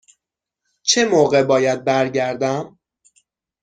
چه موقع باید برگردم؟